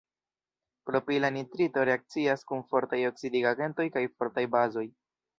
Propila nitrito reakcias kun fortaj oksidigagentoj kaj fortaj bazoj.